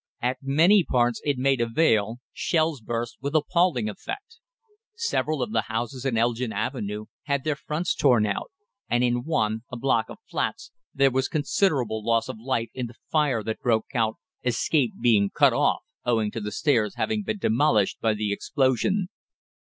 At many parts in Maida Vale shells burst with appalling effect. Several of the houses in Elgin Avenue had their fronts torn out, and in one, a block of flats, there was considerable loss of life in the fire that broke out, escape being cut off owing to the stairs having been demolished by the explosion.